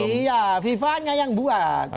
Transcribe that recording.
iya viva nya yang buat